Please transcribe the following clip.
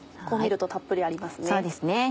こう見るとたっぷりありますね。